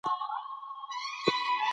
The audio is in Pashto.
پښتو ژبه په نړیواله کچه پیاوړې کړئ.